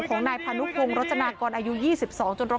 ของนายพาณุพงฮ์รจนากรอายุ๒๒จนรดเข้าพังเสียหาย